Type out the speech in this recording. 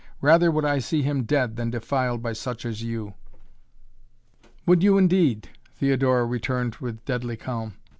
Rather would I see him dead than defiled by such as you!" "Would you, indeed?" Theodora returned with a deadly calm.